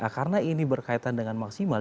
karena ini berkaitan dengan maksimal